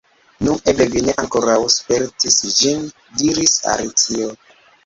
"Nu, eble vi ne ankoraŭ spertis ĝin," diris Alicio.